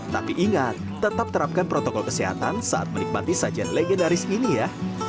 tapi ingat tetap terapkan protokol kesehatan saat menikmati sajian legendaris ini ya